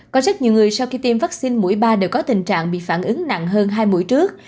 có rất nhiều người sau khi tiêm vaccine mũi ba đều có tình trạng bị phản ứng nặng hơn hai mũi trước